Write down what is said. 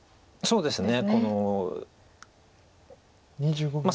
そうですね